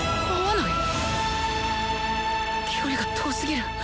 心の声距離が遠すぎる！